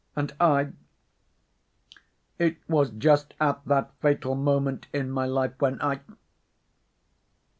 and I ... it was just at that fatal moment in my life when I